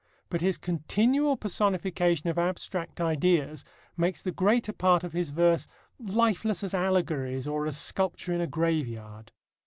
But his continual personification of abstract ideas makes the greater part of his verse lifeless as allegories or as sculpture in a graveyard.